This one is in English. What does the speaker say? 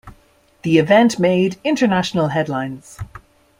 The event made international headlines.